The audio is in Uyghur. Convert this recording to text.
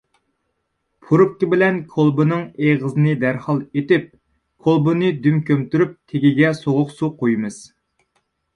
پۇرۇپكا بىلەن كولبىنىڭ ئېغىزىنى دەرھال ئېتىپ، كولبىنى دۈم كۆمتۈرۈپ تېگىگە سوغۇق سۇ قۇيىمىز.